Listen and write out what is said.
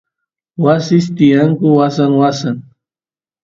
wasis tiyanku wasan wasan